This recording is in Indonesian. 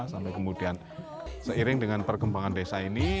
sampai kemudian seiring dengan perkembangan desa ini